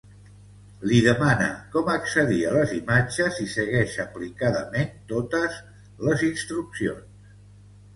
Li demana com accedir a les imatges i segueix aplicadament totes les instruccions.